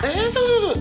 eh jangan jangan jangan